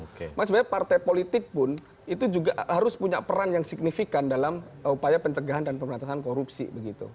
cuma sebenarnya partai politik pun itu juga harus punya peran yang signifikan dalam upaya pencegahan dan pemberantasan korupsi begitu